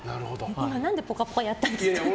何で「ぽかぽか」やったんですか。